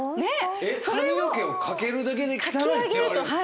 髪の毛を掛けるだけで汚いって言われるんですか